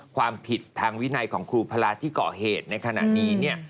ความผิดทางวินัยของครูพระราชที่เกาะเหตุในขณะนี้เนี่ย